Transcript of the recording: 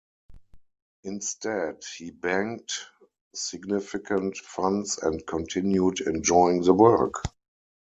Instead, he banked significant funds and continued enjoying the work.